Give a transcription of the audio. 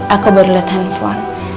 aku baru liat handphone